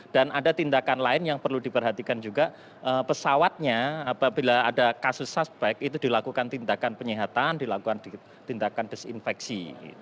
dan ada tindakan lain yang perlu diperhatikan juga pesawatnya apabila ada kasus suspek itu dilakukan tindakan penyihatan dilakukan tindakan desinfeksi